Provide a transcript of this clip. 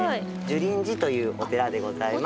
樹林寺というお寺でございます。